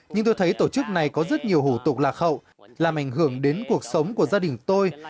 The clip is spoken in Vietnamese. nhưng tôi thấy tổ chức này có rất nhiều hủ tục lạc hậu làm ảnh hưởng đến cuộc sống của gia đình tôi